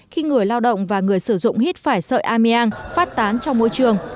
khi người lao động và người sử dụng hít phải sợi ameang phát tán trong môi trường